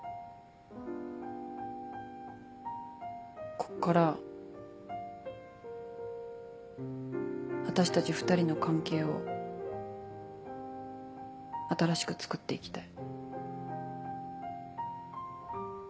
ここから私たち２人の関係を新しくつくっていきたい。